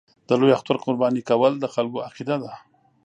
د لوی اختر قرباني کول د خلکو عقیده ده.